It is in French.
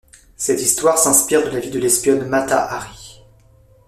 Cette histoire s'inspire de la vie de l'espionne Mata Hari.